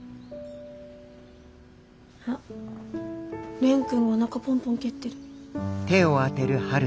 あっ蓮くんおなかポンポン蹴ってる。